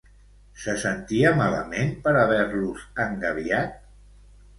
Se sentia malament per haver-los engabiat?